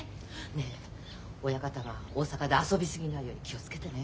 ねえ親方が大阪で遊び過ぎないように気を付けてね。